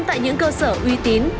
tại những cơ sở uy tín